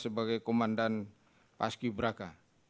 sebagai komandan paski braka